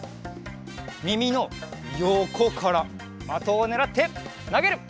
みみのよこからまとをねらってなげる！